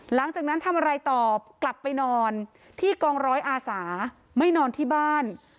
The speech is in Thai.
หลังจากนั้นทำอะไรตอบกลับไปนอนที่กองร้อยอาสาไม่นอนที่บ้าน